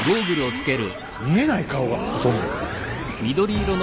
見えない顔がほとんど。